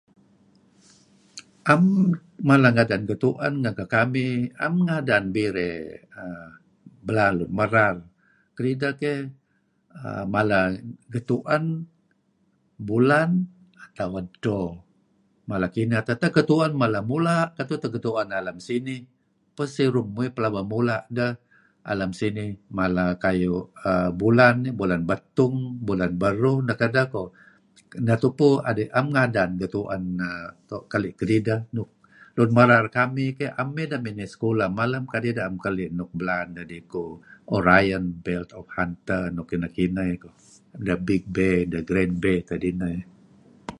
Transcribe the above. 'Em mala nadan getu'en neh kekamih. 'Em ngadan birey, ,err... belaan lun merar. Kedideh keyh aaa... mala, getu'en, bulan atau edto. Mala kineh. Tak getu'en, mala mula' ketuh teh getu'en alem sinih. Peh serum muyuh pelaba mula' ideh alem sinih. Mala kayu' bulan iih, bulan betung, bulan beruh neh kedeh ko'. Neh tupu adi' 'em ngadan getu'en err... doo' keli' kedideh. Lun merar kamih, 'em ideh miney sekulah malem kadi' deh 'em kekeli' nuk belaan deh ku Orient, Belt of Hunter nuk kineh-kineh ko'. The Big Bear, The Grand Bear, 'tad ineh.